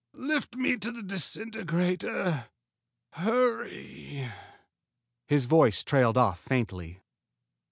Lift me to the disintegrator. Hurry!..." His voice trailed off faintly.